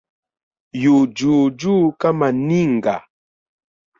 Yu juu juu kama ninga